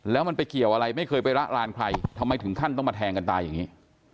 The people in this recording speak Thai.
แล้วมันไปเกี่ยวอะไรไม่เคยไประรานใครทำไมถึงขั้นต้องมาแทงกันตายอย่างนี้